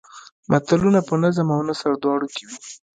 متلونه په نظم او نثر دواړو کې وي